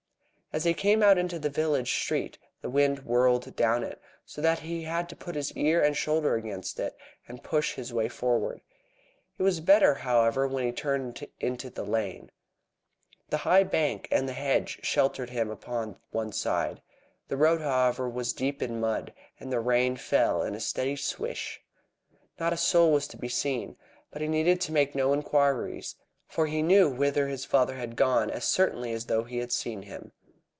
As he came out into the village street the wind whirled down it, so that he had to put his ear and shoulder against it, and push his way forward. It was better, however, when he turned into the lane. The high bank and the hedge sheltered him upon one side. The road, however, was deep in mud, and the rain fell in a steady swish. Not a soul was to be seen, but he needed to make no inquiries, for he knew whither his father had gone as certainly as though he had seen him.